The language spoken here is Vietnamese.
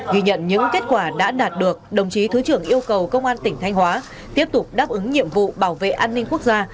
ghi nhận những kết quả đã đạt được đồng chí thứ trưởng yêu cầu công an tỉnh thanh hóa tiếp tục đáp ứng nhiệm vụ bảo vệ an ninh quốc gia